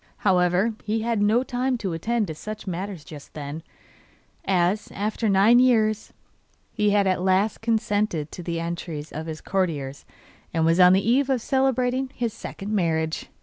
However, he had no time to attend to such matters just then, as, after nine years, he had at last consented to the entreaties of his courtiers, and was on the eve of celebrating his second marriage.